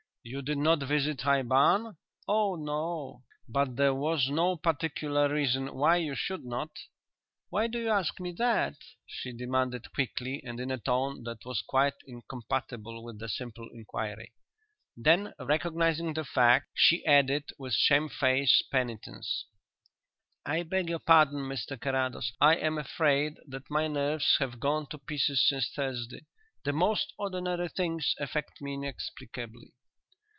"You did not visit High Barn?" "Oh no." "But there was no particular reason why you should not?" "Why do you ask me that?" she demanded quickly, and in a tone that was quite incompatible with the simple inquiry. Then, recognizing the fact, she added, with shamefaced penitence: "I beg your pardon, Mr Carrados. I am afraid that my nerves have gone to pieces since Thursday. The most ordinary things affect me inexplicably."